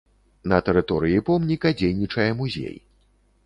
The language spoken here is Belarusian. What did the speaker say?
На тэрыторыі помніка дзейнічае музей.